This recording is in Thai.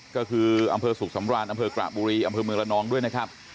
ก็คืออำเภอสุขสำราญอำเภอกระบุรีอำเภอเมืองละนองด้วยนะครับ